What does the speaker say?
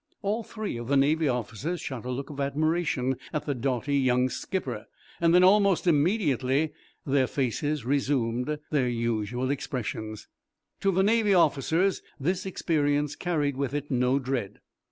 All three of the Navy officers shot a look of admiration at the doughty young skipper. Then, almost immediately, their faces resumed their usual expressions. To the Navy officers this experience carried with it no dread.